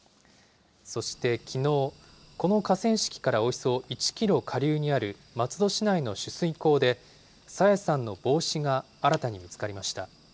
そしてきのう、この河川敷からおよそ１キロ下流にある松戸市内の取水口で、朝芽さんの帽子が新たに見つかりました。